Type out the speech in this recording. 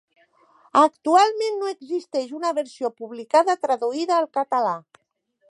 Actualment no existeix una versió publicada traduïda al català.